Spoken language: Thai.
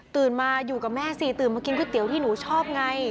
มาอยู่กับแม่สิตื่นมากินก๋วยเตี๋ยวที่หนูชอบไง